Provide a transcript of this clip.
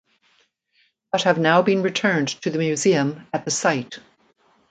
But have now been returned to the museum at the site.